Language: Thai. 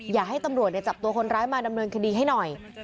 อยากให้ตำรวจจับตัวคนร้ายมาดำเนินคดีให้หน่อย